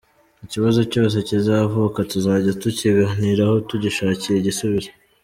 Ikibazo cyose kizavuka tuzajya tukiganiraho tugishakire igisubizo.